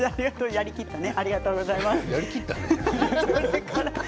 やりきったの？